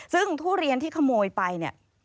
ซึ่งทุเรียนที่ขโมยไปเนี่ย